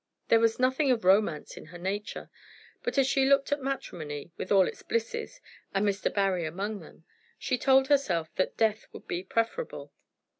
There was nothing of romance in her nature; but as she looked at matrimony, with all its blisses, and Mr. Barry among them, she told herself that death would be preferable.